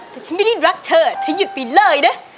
แต่ฉันไม่ได้รักเธอเธอหยุดไปเลยนะ